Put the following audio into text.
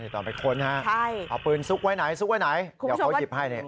ตอนไปค้นเอาปืนซุกไว้ไหนซุกไว้ไหนเดี๋ยวเขาหยิบให้